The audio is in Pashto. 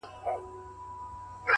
د فکر کیفیت پایلې بدلوي؛